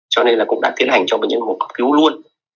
cho nên là cũng đã tiến hành cho bệnh nhân mổ cấp cứu luôn